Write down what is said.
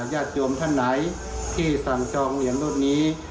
ญาติโยมท่านไหนที่สั่งจองเหรียญรุ่นนี้